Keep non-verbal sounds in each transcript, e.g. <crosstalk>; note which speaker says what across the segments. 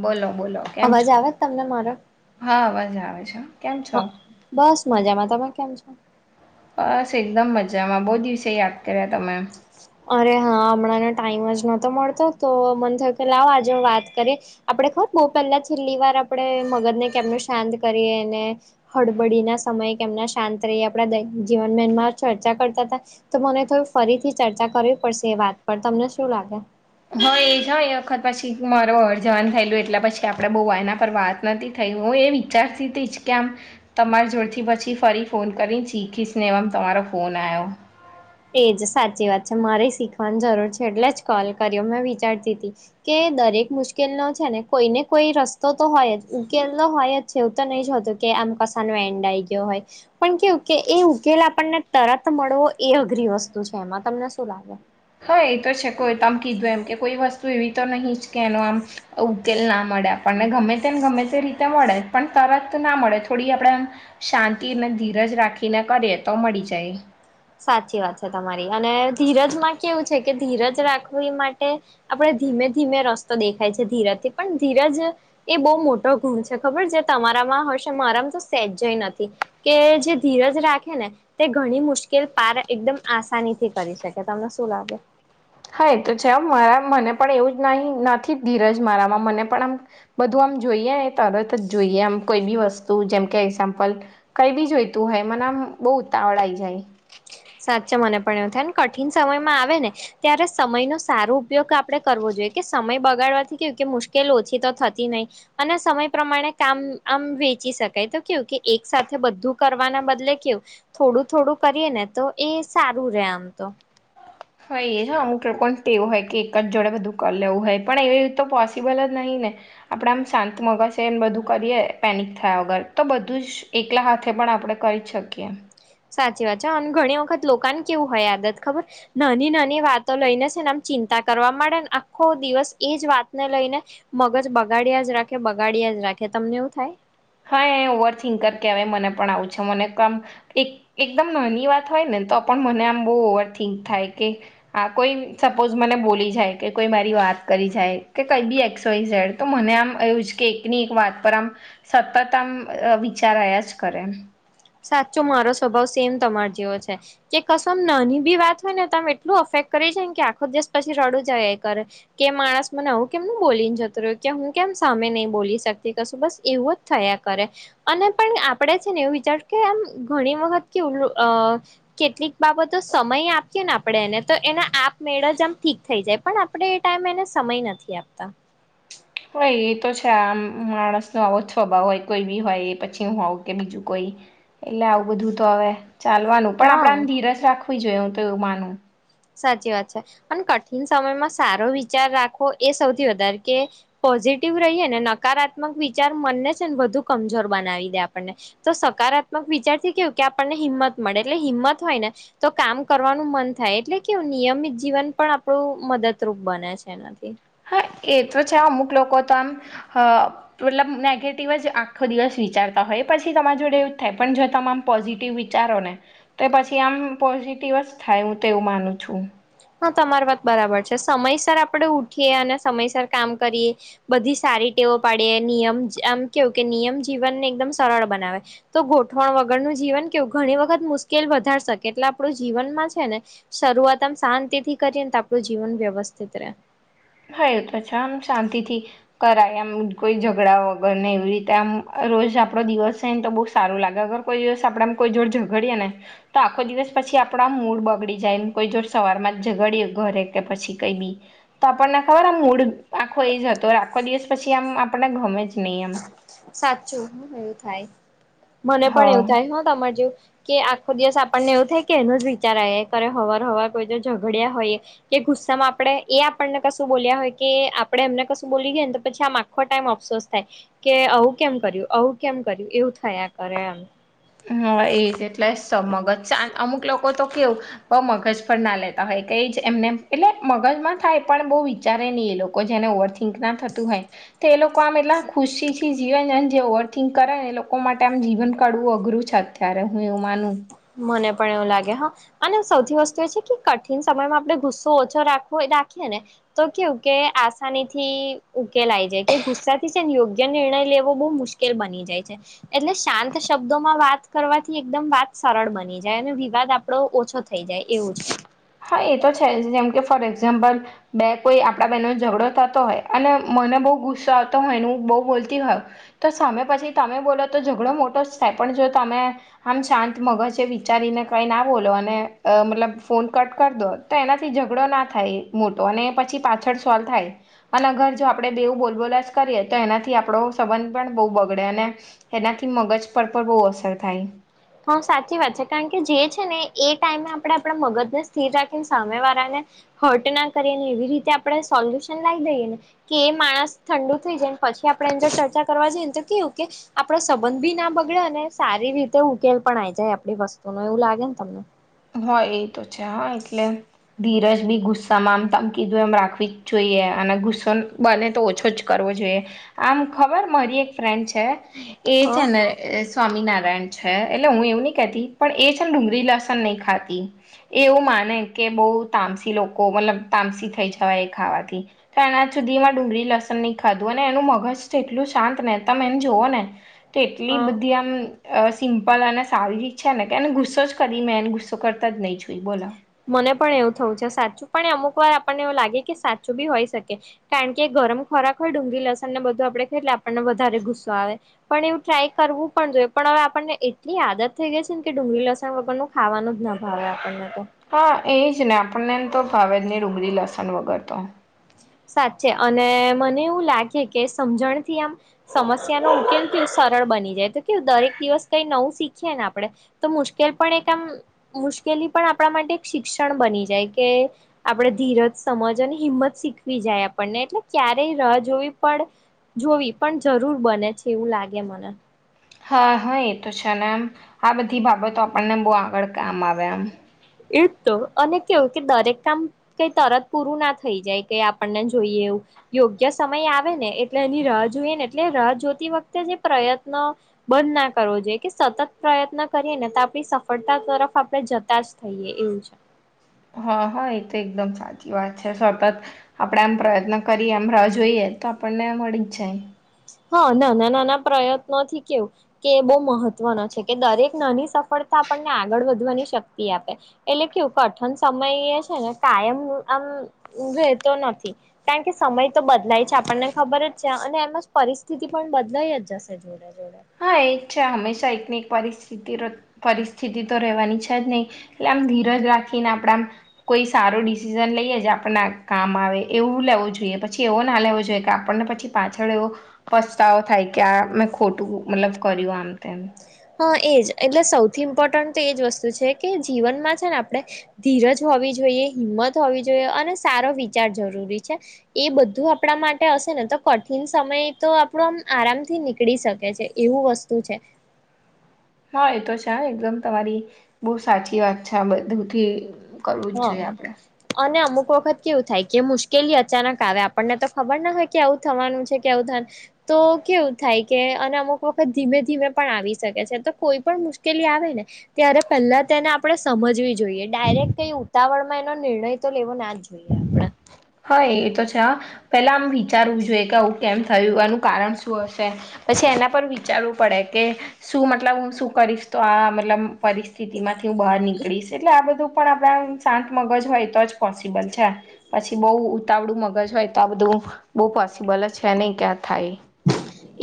Speaker 1: બોલો-બોલો
Speaker 2: અવાજ આવે કે તમને મારો
Speaker 1: હા અવાજ આવે છે કેમ છો?
Speaker 2: હા બસ મજામાં તમે કેમ છો?
Speaker 1: બસ એકદમ મજામાં બો દિવસે યાદ કર્યા તમે
Speaker 2: અરે હા હમણાંને ટાઈમ જ નહતો મળતો તો મન થયું કે લાવો આજે વાત કરીએ આપડે ખબર બહ પહેલા છેલ્લી વાર આપડે મગજ ને કેમનું શાંત કરીએ ને હળબડી ના સમયે કેમના શાંત રહીયે આપડા દેયનિક જીવનમાં ચર્ચા કરતા હતા તો મને થયુ ફરીથી ચર્ચા કરવી પડશે એ વાત પર તમને શું લાગે.
Speaker 1: હા એ છે એ વખત પછી માર હરજવાન થયેલું એટલે પછી આપડે બોવાયના પર વાત નથી થઈ હું એ વિચારતી તી જ કે આમ તમારા જોડથી પછી ફરી ફોન કરીન શીખીશ ને એમ તમારો ફોન આયો.
Speaker 2: તે જ સાચી વાત છે મારે શીખવાની જરૂર છે એટલે જ કોલ કર્યો મેં વિચારતી તી કે દરેક મુશ્કેલ નો છે ને કોઈ ને કોઈ રસ્તો તો હોય જ ઉકેલ તો હોય જ છે એવું તો નહી જ હોતું કે આમ કસાનો એન્ડ આઈ ગયો હોય. પણ કેવું કે એ ઉકેલ આપણને તરત મળવો એ અઘરી વસ્તુ છે એમાં તમને શું લાગે?
Speaker 1: હા એ તો છે કો તો આમ કીધું એમ કે કોઈ વસ્તુ એવી તો નહીં જ કે એનો આમ ઉકેલ ના મળે આપણને ગમે તે ને ગમે તે રીતે મળે પણ તરત ના મળે થોડી આપણે શાંતિને ધીરજ રાખીને કરીએ તો મળી જાય.
Speaker 2: સાચી વાત છે તમારી અને ધીરજમાં કેવું કે છે ધીરજ રાખવી માટે આપણે ધીમે ધીમે રસ્તો દેખાય છે ધીરજથી પણ ધીરજ એ બહુ મોટો ગુણ છે ખબર છે તમારામાં હશે મારામાં તો સેજેય નથી. કે જે ધીરજ રાખે ને તે ઘણી મુશ્કે કે પારા એકદમ આસાનીથી કરી શકે તમને શું લાગે?
Speaker 1: હા એ તો છે મારા મને પણ એવું જ નથી ધીરજ મારામાં મને પણ આમ બધું આમ જોઈએ એ તરત જ જોઈએ આમ કોઈ બી વસ્તુ જેમકે એક્ઝામ્પલ કઈ બી જોઈતું હોય મન આમ બહુ ઉતાવળ આવી જાય.
Speaker 2: સાચે મને પણ એવુ થાય ને કઠિન સમયમાં આવે ને ત્યારે સમયનો સારો ઉપયોગ આપણે કરવો જોઈએ કે સમય બગાડવાથી કેવું કે મુશ્કેલ ઓછી તો થતી નહી. અને સમય પ્રમાણે કામ આમ વેચી શકાય તો કેવું કે એક સાથે બધું કરવાના બદલે કેવું થોડું થોડું કરીએ ને તો એ સારું રે આમ તો.
Speaker 1: હોય એ હ અમુક લોકોને તે એવું હોય કે એક જ જોડે બધું કર લેવું હોય પણ એવી તો પોસિબલ જ નહીં ને આપણા આમ શાંત મગજ છે ને બધું કરીએ પેનિક થયા વગર તો બધું જ એકલા હાથે પણ આપણે કરી જ શકીએ.
Speaker 2: સાચી વાત છે અને ઘણી વખત લોકાને કેવું હોય આદત ખબર નાની નાની વાતો લઈને છે ને આમ ચિંતા કરવા માંડે ને આખો દિવસ એજ વાતને લઈને મગજ બગાડિયા જ રાખે બગાડિયા જ રાખે તમને એવું થાય?
Speaker 1: હા એ ઓવરથિંકર કહેવાય મને પણ આવું જ છે મને કામ એક એકદમ નાની વાત હોય ને તો પણ મને આમ બહુ ઓવર થિંક થાય કે આ કોઈ સપોઝ મને બોલી જાય કે કોઈ મારી વાત કરી જાય કે કઈ બી એક્સ વાય ઝેડ તો મને આમ એવું જ કે એકની એક વાત પર આમ સતત આમ વિચાર આયા જ કરે.
Speaker 2: સાચો મારો સ્વભાવ સેમ તમારો જેવો છે. કે કશોમ નાની બી વાત હોય ને તો મે એટલું અફેક્ટ કરી જાય ને કે આખો દિવસ પછી રડું જ આવ્યા કરે. કે માણસ મને આવું કેમનું બોલીને જતૂ રહ્યું ત્યાં હું કેમ સામે નહી બોલી શકતી કશું બસ એવું જ થયા કરે અને પણ આપણે છે ને એવું વિચાર કે આમ ઘણી વખત કેવું કે અ કેટલીક બાબતો સમય આપીએ ને આપણેે એને તો એના આપમેળે જ આમ ઠીક થઈ જાય પણ આપ આપણે એ ટાઈમે એને સમય નથી આપતા.
Speaker 1: હોય એ તો છે આમ માણસનો આવો જ સ્વભાવ હોય કોઈ બી હોય એ પછી હું કે બીજું કોઈ એટલે આવું બધું તો હવે ચાલવાનું પણ
Speaker 2: હા.
Speaker 1: આપણે આમ ધીરજ રાખવી જોઈએ હું તો એવું માનું.
Speaker 2: સાચી વાત છે પણ કઠિન સમયમાં સારો વિચાર રાખવો એ સૌથી વધારે કે પોઝિટિવ રહીએ ને નકારાત્મક વિચાર મનને છે ને વધું કમજોર બનાવી દે આપણને તો સકારાત્મક વિચાર થી કેવું કે આપણને હિંમત એટલે હિંમત હોય ને તો કામ કરવાનું મન થાય એટલે કેવું નિયમિત જીવન પણ આપણું મદદરૂપ બને છે એનાથી.
Speaker 1: હા એ તો છે અમુક લોકો તો આમ મતલબ નેગેટિવ જ આખો દિવસ વિચારતા હોય પછી તમારા જોડે એવું જ થાય પણ જો તમામ પોઝિટિવ વિચારો ને તો એ પછી આમ પોઝિટિવ જ થાય હું તો એવું માનું છું.
Speaker 2: હા, તમારી વાત બરાબર છે સમયસર આપણેે ઉઠીએ અને સમયસર કામ કરીએ બધી સારી ટેવો પાડીએ નિયમ આમ કેવું કે નિયમ જીવનને એકદમ સરળ બનાવે. તો ગોઠવણ વગરનું જીવન કેવું ઘણી વખત મુશ્કેલ વધાર શકે એટલે આપણું જીવનમાં છે ને શરૂઆત આમ શાંતિથી કરીએને તો આપણું જીવન વ્યવસ્થિત રહે.
Speaker 1: હા, એ તો <unintelligible> શાંતિથી કરાય એમ કોઈ ઝઘડા વગરને એવી રીતે આમ રોજ આપણો દિવસ <unintelligible> ને તો બહુ સારું લાગે કોઈ દિવસ આપણામાં કોઈ જોડ ઝગડીએ ને તો આખો દિવસ પછી આપણા મૂળ બગડી જાય એમ કોઈ જો સવારમાં ઝગડીએ ઘરે કે પછી કઈ બી તો આપણને એમ ખબર આમ મૂડ આખો એ જ હતો આખો દિવસ પછી આમ આપણને ગમે જ નહીં એમ.
Speaker 2: સાચું હ એવું થાય, મને પણ
Speaker 1: હા
Speaker 2: એવું થાય હ તમારે જેવું. કે આખો દિયાસ આપણને એવું થાય કે એનો જ વિચાર આયા કરે હવાર હવાર કોઈ ને ઝઘડ્યા હોય એ કે ગુસ્સામાં આપડે એ આપણને કશું બોલ્યા હોય કે આપણે એમને કશું બોલી ગયા ને તો પછી આ આખો ટાઈમ અફસોસ થાય કે આવું કેમ કર્યું? આવું કેમ કર્યું? એવું થયા કરે એમ.
Speaker 1: હ એ જ એટલે સ મગજ શાંત અમુક તો કેવું બઉ મગજ પર ના લેતા હોય એજ એમને એટલે મગજમાં થાય પણ બહુ વિચારે ની એ લોકો. કોઈ જેને ઓવરથીંક ના થતું હોય તો એ લોકો આમ એટલા ખુશીથી જીવેને જે ઓવરથિન્ક કરે ને એ લોકો માટે આમ જીવન કાડવુ અઘરું છે અત્યારે, હું એવું માનું.
Speaker 2: મને પણ એવુ લાગે હ. અને સૌથી વસ્તુ એ છે કે કઠિન સમયમાં આપણે ગુસ્સો ઓછો રાખવોએ રાખીએ ને તો કેવું કે આસાનીથી ઉકેલાઈ જાય કે ગુસ્સાથી સેને યોગ્ય નિર્ણય લેવુ બૌ મુશ કેલ બની જાય છે એટલે શાંત શબ્દોમાં વાત કરવાથી એકદમ વાત સરળ બની જાય અને વિવાદ આપડો ઓછો થઈ જાય એવું છે.
Speaker 1: હા એ તો છે જ જેમ કે ફોર એક્ઝામ્પલ બે કોઈ આપણા બહેનો નો ઝઘડો થતો હોય અને મને બહુ ગુસ્સો આવતો હોય હું બઉ બોલતી હોવ તો સામે પછી તમે બોલો તો ઝઘડો મોટો જ થાય પણ જો તમે આમ શાંત મગજ એ વિચારીને કઈ ના બોલો અને અહ મતલબ ફોન કટ કર દો તો એનાથી ઝઘડો ના થાય મોટો અને પછી પાછળ સોલ્વ થાય. અને અગર જો આપણે બેવું બોલ બોલ જ કરીએ તો એનાથી આપણો સંબંધ પણ બહુ બગડે અને એનાથી મગજ પર પણ બહુ અસર થાય.
Speaker 2: હ, સાચી વાત છે કારણ કે જે છે ને એ ટાઈમે આપણે આપણા મગજને સ્થિર રાખીને સામે વારાને હર્ટ ના કરીયે ને એવી રીતે આપણે સોલ્યુશન લાઈ દઈએ ને કે એ માણસ ઠંડુ થઈ જાયને પછી આપડે એન જોડે ચર્ચા કરવા જોઈએ તો કેવું કે આપડો સંબંધ ભી ના બગડે અને સારી રીતે ઉકેલ પણ આઈ જાય આપડી વસ્તુનો, એવું લાગે ને તમને?
Speaker 1: હ, એ તો છે. હ, એટલે ધીરજ બી ગુસ્સામાં આમ તમ કીધું એમ રાખવી જ જોઈએ અને ગુસ્સો બને તો ઓછો જ કરવો જોઈએ. આમ ખબર મારી એક ફ્રેન્ડ છે. એ
Speaker 2: હા
Speaker 1: છે ને સ્વામિનારાયણ છે એટલે હું એવું નહીં કેતી પણ એ છે ને ડુંગરી લસન નહી ખાતી એ એવું માને કે બહુ તામસી લોકો મતલબ તામસી થઈ જાવાય એ ખાવાથી. તો એના આજ સુધીમાં ડુંગરી લસણ નહીં ખાધું અને એનું મગજ તો એટલું શાંત ને તમે એમ જોવો ને તો એટલી
Speaker 2: હા
Speaker 1: બધી આમ અ સિમ્પલ અને સારી છે ને કે એને ગુસ્સો જ કરી મેંને ગુસ્ કરતા જ નહી જોઈ, બોલો.
Speaker 2: મને પણ એવું થવું છે સાચું પણ અમુક વાર આપણને એવું લાગે કે સાચું બી હોય શકે. કારણ કે ગરમ ખોરાક હોય ડુંગળી લસણ ને બધું આપડે ખાયે એટલે આપણને વધારે ગુસ્સો આવે. પણ એવું ટ્રાય કરવું પણ જોઈએ પણ હવે આપણને એટલી આદત થઈ ગઈ છે ને કે ડુંગળી લસણ વગરનું ખાવાનું જ ના ભાવે આપણને તો
Speaker 1: હા એ જ ને આપણને એમ તો ફાવે જ નઈ ડુંગળી લસણ વગર તો.
Speaker 2: સાચે અને મને એવું લાગે કે સમજણથી આમ સમસ્યાનો કેમ કે એવું સરળ બની જાય તો કેવું દરેક દિવસ કઈ નવું શીખીએ ને આપણે તો મુશ્કેલ પણ એક આમ મુશ્કેલી પણ આપણા માટે એક શિક્ષણ બની જાય કે આપડણે ધીરજ સમજ અને હિંમત શીખવી જાય આપણને એટલે ક્યારેય રાહ જોવી પણ જોવી પણ જરૂર બને છે એઉ લાગે મન
Speaker 1: હા-હા એ તો છે ને એમ આ બધી બાબતો આપણને બહુ આગળ કામ આવે એમ.
Speaker 2: એ જ તો અને કેવું કે દરેક કામ કઈ તરત પૂરું ના થઈ જાય કે આપણને જોઈએ એવું યોગ્ય સમય આવે ને એટલે એની રાહ જોઈએ ને એટલે રાહ જોતી વખતે જે પ્રયત્ન બંધ ના કરવો જોઈએ કે સતત પ્રયત્ન કરીએ ને તો આપણી સફળતા તરફ આપણે જતા જ થઈએ એઉ જ
Speaker 1: હા હા એ તો એકદમ સાચી વાત છે, સતત આપણે આમ પ્રયત્ન કરીએ આમ રાહ જોઈએ તો આપણને આં મળી જ જાય.
Speaker 2: હા નાના નાના પ્રયત્નોથી કેવું કે એ બહુ મહત્વનો છે કે દરેક નાની સફળતા આપણને આગળ વધવાની શક્તિ આપે. એટલે કેવું કઠન સમય એ છે ને કાયમ આમ રહેેતો નથી. કારણ કે સમય તો બદલાય છે, આપણને ખબર જ છે અને એમાં જ પરિસ્થિતિ પણ બદલાઈ જ જશે જોડે જોડે
Speaker 1: હા એ જ છે હંમેશા એક એક વારી પરી પરિસ્થિતિ તો રહેવાની છે જ નહી એટલે આમ ધીરજ રાખીને આપણે આમ કોઈ સારો ડિસિઝન લઈએ જ આપણને કામ આવે એવું લેવું જોઈએ પછી એવો ના લેવો જોઈએ કે આપણને પછી પાછળ એવો પસ્તાવો થાય કે આ મેં ખોટું મતલબ કર્યું આમ તેમ
Speaker 2: હા એજ એટલે સૌથી ઇમ્પોર્ટન્ટ તો એજ વસ્તુ છે કે જીવનમાં છે ને આપણે ધીરજ હોવી જોઈએ હિંમત હોવી જોઈએ અને સારો વિચાર જરૂરી છે. એ બધું આપણા માટે હશે ને તો કઠિન સમય તો આપણો આમ આરામથી નીકળી શકે છે. એવું વસ્તુ છે.
Speaker 1: હા એ તો છે એકદમ તમારી બહું સાચી વાત છે આ બધી
Speaker 2: હા. અને અમુક વખત કેવું થાય કે મુશ્કેલી અચાનક આવે આપણને તો ખબર ના હોય આવું થવાનું છે કે આવું થવાનું તો કેવું થાય કે અને અમુક વખત ધીમે ધીમે પણ આવી શકે છે તો કોઈ પણ મુશ્કેલી આવે ને ત્યારે પેલા તેને આપણે સમજવી જોઈએ. ડાયરેક્ટ કઈ ઉતાવળમાં એનો નિર્ણય તો લેવો ના જ જોઈએ આપણેે.
Speaker 1: હા એ તો છે હા પેલા આમ વિચારવું જોઈએ કે આવું કેમ થયું એનું કારણ શું હશે. પછી એના પર વિચારવું પડે કે શું મતલબ હું શું તો આ મતલબ પરિસ્થિતિમાંથી હું બહાર નીકળીશ આ બધું પણ આપણા શાંત મગજ હોય તો જ પોસિબલ બલ અચ્છા. પછી બહુ ઉતાવળું મગજ હોય તો આ બધું બહુ પોસિબલ જ છે નહી ક્યાં થાય એ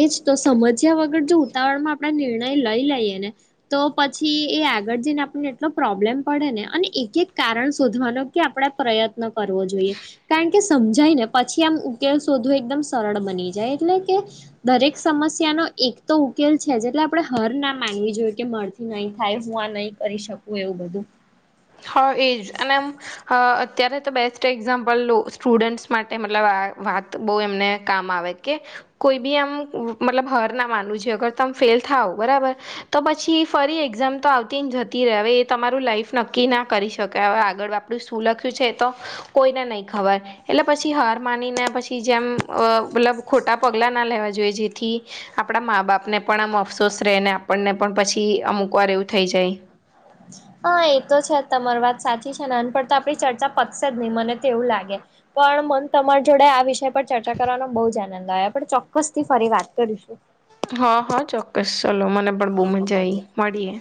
Speaker 2: એજ તો સમસ્યા વગર જો ઉતાવળમાં આપણે નિર્ણય લઈ લઈએ ને તો પછી એ આગળ જઈને આપણને એટલો પ્રોબ્લેમ પડેને અને એક એક કારણ શોધવાનો કે આપણેે પ્રયત્ન કરવો જોઈએ. કારણ કે સમજાય ને પછી આમ ઉકેલ શોધોવો એકદમ સરળ બની જાય એટલે કે દરેક સમસ્યાનો એક તો ઉકેલ છે જ એટલે આપણે હાર ના માનવી જોઈએ કે મારથી નહીં થાય હું આ નહીં કરી શકું એવું બધું.
Speaker 1: હ, એજ અનેમ હ અત્યારે તો બેસ્ટ એક્ઝામ્પલ સ્ટુડન્ટ્સ માટે મતલબ આ વાત બહુ એમને કામ આવે કે કોઈ બી આમ મતલબ હર ના માનવું જોઈએ છે અગર તમે ફેલ થાવ બરાબર તો પછી ફરી એક્ઝામ તો આવતીન જતી રહે, હવે એ તમારું લાઈફ ન કી ના કરી શકાય હવે આગળ આપણું શું લખ્યું છે તો કોઈને નહીં ખબર એટલે પછી હાર માનીને પછી જેમ મતલબ ખોટા પગલા ના લેવા જોઈએ જેથી આપણા મા બાપને પણ આમ અફસોસ રહે ને આપણને પછી અમુક વાર એવું થઈ જાય.
Speaker 2: હા, એ તો છે જ તમાર વાત સાચી છેને પણ તો આપડી ચર્ચા પતશે જ નહી મને તો એવું લાગે. પણ મન તમારી જોડે આ વિષય પર ચર્ચા કરવાનો બહુ જ આનંદ આયો. પણ ચોક્કસથી ફરી વાત કરીશ. સું.
Speaker 1: હા-હા, ચોક્કસ ચલો મને પણ બહુ મજા આઈ મળીએ.